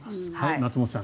松本さん